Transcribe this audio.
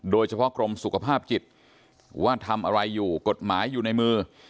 โดยเฉพาะกรมสุขภาพจิตว่าทำอะไรอยู่กฎหมายอยู่ในมือ